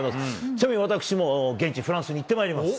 ちなみに、私も現地、フランスに行ってまいります。